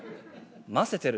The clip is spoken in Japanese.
ませてる